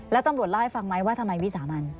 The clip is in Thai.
แล้วตำรวจเล่าให้ฟังไหมว่าทำไมวิสามัน